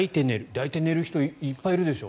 抱いて寝る人いっぱいいるでしょ？